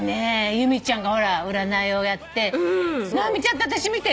由美ちゃんが占いをやって直美ちゃんと私見て。